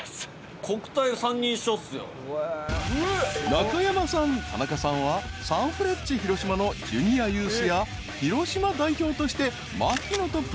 ［中山さん田中さんはサンフレッチェ広島のジュニアユースや広島代表として槙野とプレー］